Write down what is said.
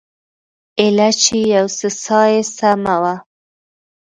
ايله چې يو څه ساه يې سمه وه.